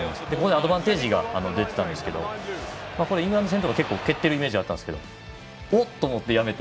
アドバンテージが出ていたんですがイングランド戦では蹴っているイメージがあったんですがおっと思って。